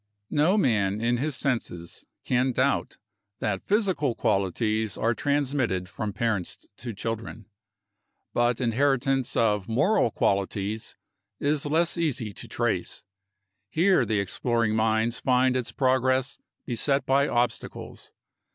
No man in his senses can doubt that physical qualities are transmitted from parents to children. But inheritance of moral qualities is less easy to trace. Here, the exploring mind finds its progress beset by obstacles.